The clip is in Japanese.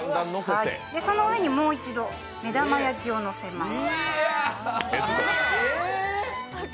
その上にもう一度、目玉焼きをのせます。